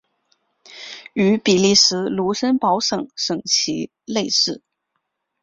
与比利时卢森堡省省旗类似。